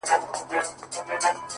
ميئن د كلي پر انجونو يمه،